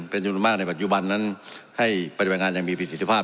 เป็นจำนวนมากในปัจจุบันนั้นให้ปฏิบัติงานอย่างมีประสิทธิภาพ